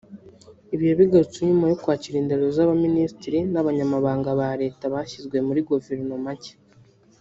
Ibi yabigarutseho nyuma yo kwakira indahiro z’abaministiri n’abanyamabanga ba Leta bashyizwe muri guverinoma nshya